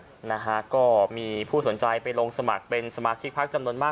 ขณะที่ภาคชาติไทยพัฒนา